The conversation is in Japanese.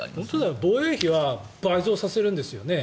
防衛費は倍増させるんですよね。